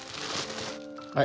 はい。